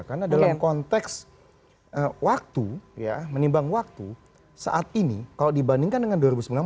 karena dalam konteks waktu ya menimbang waktu saat ini kalau dibandingkan dengan dua ribu sembilan belas